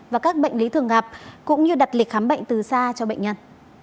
và các bệnh lý thường gặp cũng như đặt lịch khám bệnh từ xa cho bệnh nhân